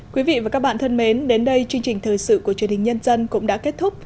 quý vị và các bạn thân mến đến đây chương trình thời sự của truyền hình nhân dân cũng đã kết thúc